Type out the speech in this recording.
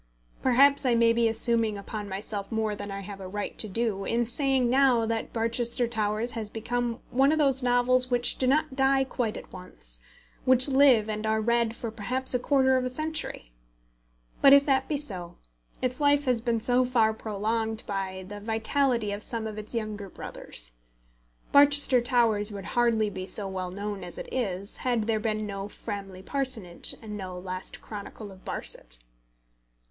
Perhaps I may be assuming upon myself more than I have a right to do in saying now that Barchester Towers has become one of those novels which do not die quite at once, which live and are read for perhaps a quarter of a century; but if that be so, its life has been so far prolonged by the vitality of some of its younger brothers. Barchester Towers would hardly be so well known as it is had there been no Framley Parsonage and no Last Chronicle of Barset.